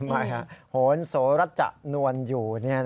ไม่ฮะโหนโสรัชจะนวลอยู่